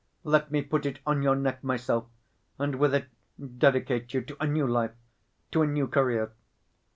Let me put it on your neck myself, and with it dedicate you to a new life, to a new career."